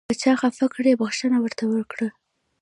که چا خفه کړئ بښنه ورته وکړئ .